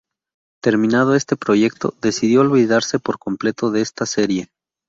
Terminado este proyecto, decidió olvidarse por completo de esta serie.